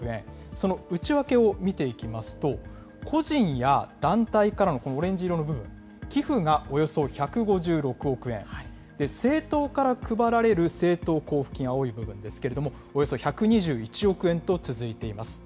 その内訳を見ていきますと、個人や団体からのオレンジ色の部分、寄付がおよそ１５６億円、政党から配られる政党交付金、青い部分ですけれども、およそ１２１億円と続いています。